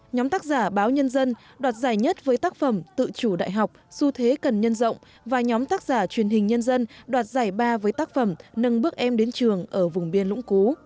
nhóm tác giả báo nhân dân đoạt giải nhất với tác phẩm tự chủ đại học xu thế cần nhân rộng và nhóm tác giả truyền hình nhân dân đoạt giải ba với tác phẩm nâng bước em đến trường ở vùng biên lũng cú